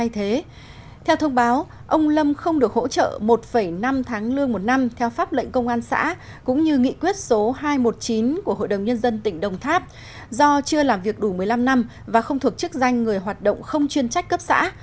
theo thông báo ông lâm không được hỗ trợ một năm tháng lương một năm theo pháp lệnh công an xã cũng như nghị quyết số hai trăm một mươi chín của hội đồng nhân dân tỉnh đồng tháp do chưa làm việc đủ một mươi năm năm và không thuộc chức danh người hoạt động không chuyên trách cấp xã